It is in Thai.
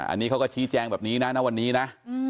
อันนี้เขาก็ชี้แจงแบบนี้นะณวันนี้นะ